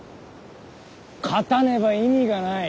勝たねば意味がない。